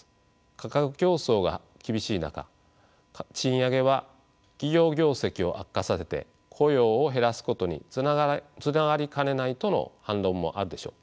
価格競争が厳しい中賃上げは企業業績を悪化させて雇用を減らすことにつながりかねないとの反論もあるでしょう。